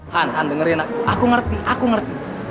han han dengerin aku ngerti aku ngerti